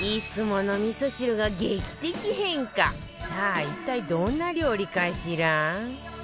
さあ一体どんな料理かしら？